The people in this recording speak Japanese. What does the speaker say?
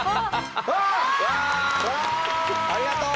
わあありがとう。